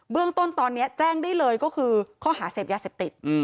เรื่องต้นตอนนี้แจ้งได้เลยก็คือข้อหาเสพยาเสพติด